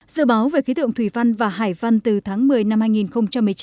dự báo về khí tượng thủy văn và hải văn từ tháng một mươi năm hai nghìn một mươi chín